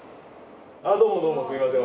どうもどうもすみません